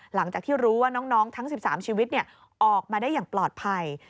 หลังจากที่รู้ว่าน้องทั้ง๑๓ชีวิตออกมาได้อย่างปลอดภัย